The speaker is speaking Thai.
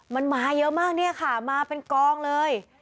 มันมาเยอะมากเนี่ยค่ะมาเป็นกองเลย